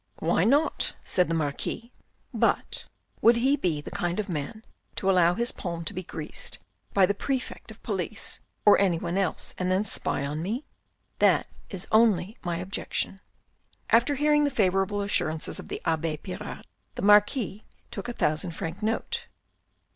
"Why not?" said the Marquis. "But would he be the kind of man to allow his palm to be greased by the Prefect of Police or any one else and then spy on me ? That is only my objection." After hearing the favourable assurances of the abbe Pirard, the Marquis took a thousand franc note.